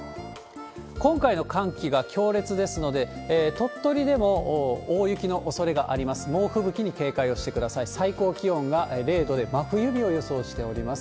今回の寒気が強烈ですので、鳥取でも大雪のおそれがあります。